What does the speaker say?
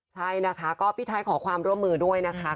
ใช่นะคะก็พี่ไทยขอความร่วมมือด้วยนะคะ